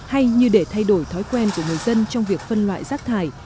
hay như để thay đổi thói quen của người dân trong việc phân loại rác thải